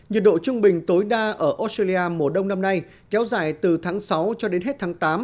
nhiệt độ trung bình tối đa ở australia mùa đông năm nay kéo dài từ tháng sáu cho đến hết tháng tám